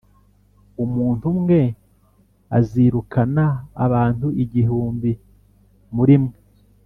Umuntu umwe azirukana abantu igihumbi muri mwe,